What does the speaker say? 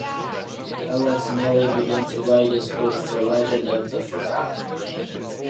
Alex Mele began to write his book for "Legend Of The Forgotten Reign".